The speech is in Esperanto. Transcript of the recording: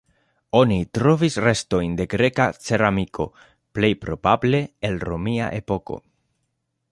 Oni trovis restojn de greka ceramiko, plej probable el romia epoko.